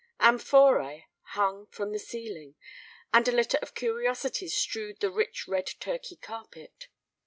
Amphorae hung from the ceiling, and a litter of curiosities strewed the rich red Turkey carpet.